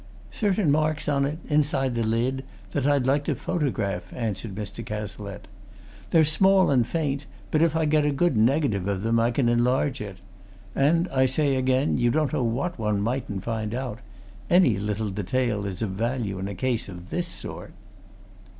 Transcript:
"Certain marks on it inside the lid that I'd like to photograph," answered Mr. Cazalette. "They're small and faint, but if I get a good negative of them I can enlarge it. And I say again, you don't know what one mightn't find out any little detail is of value in a case of this sort."